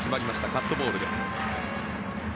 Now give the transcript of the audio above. カットボールです。